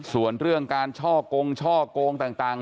ส่วนเรื่องการช่อกงช่อกงต่าง